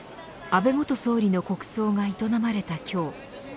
安倍元総理の国葬が営まれた今日。